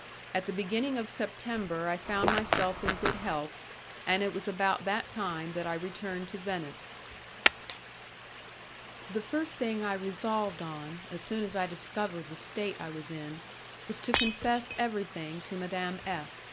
At the beginning of September I found myself in good health, and it was about that time that I returned to Venice. The first thing I resolved on, as soon as I discovered the state I was in, was to confess everything to Madame F